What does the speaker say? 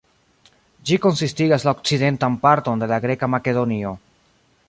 Ĝi konsistigas la okcidentan parton de la greka Makedonio.